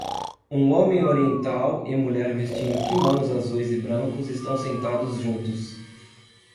Um homem oriental e mulher vestindo quimonos azuis e brancos estão sentados juntos.